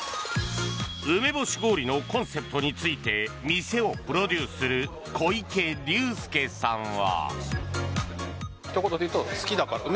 梅干し氷のコンセプトについて店をプロデュースする小池隆介さんは。